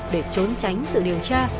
để trốn tránh sự điều tra